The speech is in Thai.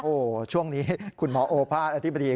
โอ้โหช่วงนี้คุณหมอโอภาษย์อธิบดี